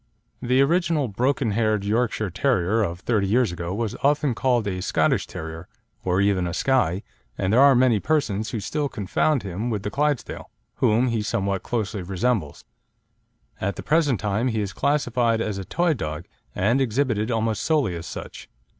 The original broken haired Yorkshire Terrier of thirty years ago was often called a Scottish Terrier, or even a Skye, and there are many persons who still confound him with the Clydesdale, whom he somewhat closely resembles. At the present time he is classified as a toy dog and exhibited almost solely as such.